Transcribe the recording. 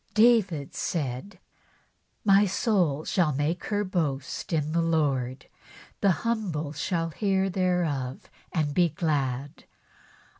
David said :'' My soul shall make her boast in the Lord ; the humble shall hear thereof and be glad."